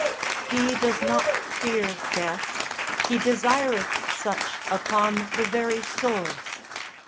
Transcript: He does not fear death, he desireth such upon the very swords.